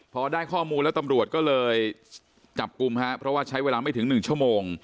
พอได้ข้อมูลแล้วตำรวจก็เลยจับกลุ่มฮะเพราะว่าใช้เวลาไม่ถึง๑ชั่วโมง